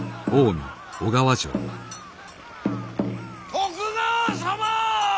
徳川様！